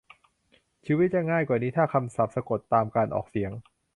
ชีวิตจะง่ายกว่านี้ถ้าคำศัพท์สะกดตามการออกเสียง